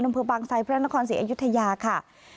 นำเผื่อปางทรายพระนครศรีอยุธยาค่ะ